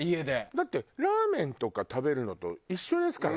だってラーメンとか食べるのと一緒ですからね。